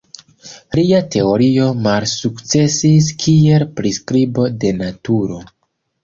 Lia teorio malsukcesis kiel priskribo de naturo.